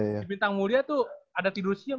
di bintang mulia tuh ada tidur siang